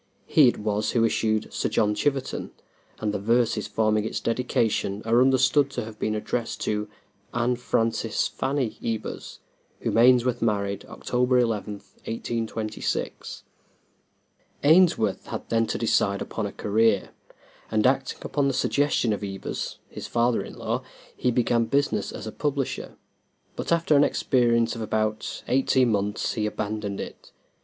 He it was who issued "Sir John Chiverton," and the verses forming its dedication are understood to have been addressed to Anne Frances ("Fanny") Ebers, whom Ainsworth married October 11, 1826. Ainsworth had then to decide upon a career, and, acting upon the suggestion of Ebers, his father in law, he began business as a publisher; but after an experience of about eighteen months he abandoned it.